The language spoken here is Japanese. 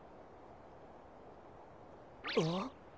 あっ。